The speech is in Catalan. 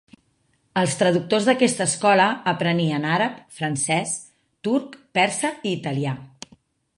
Els traductors d'aquesta escola aprenien àrab, francès, turc, persa i italià.